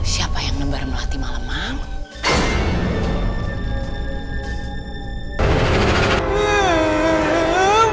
siapa yang nembar melati malem malem